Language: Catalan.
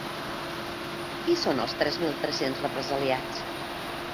Qui són els tres mil tres-cents represaliats?